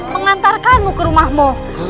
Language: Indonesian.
mengantarkanmu ke rumahmu